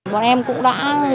bọn em cũng đã